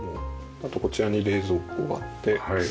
あとこちらに冷蔵庫があって。